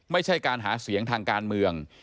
ไม่ใช่การหาเสียงทางการเมือง